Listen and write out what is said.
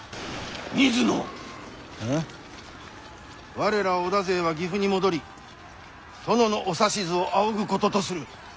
我ら織田勢は岐阜に戻り殿のお指図を仰ぐこととする。